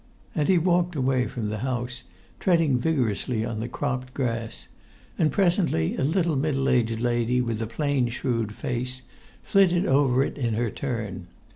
And he walked away from the house, treading vigorously on the cropped grass; and presently a little middle aged lady, with a plain, shrewd face, flitted over it in her turn.